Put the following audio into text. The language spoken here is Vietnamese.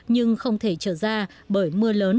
nhưng không thể trở ra bởi mưa lớn